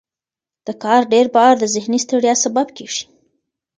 د کار ډیر بار د ذهني ستړیا سبب کېږي.